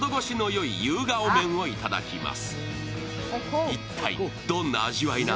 いただきます。